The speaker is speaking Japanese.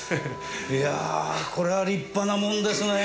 いやあこれは立派なもんですねえ。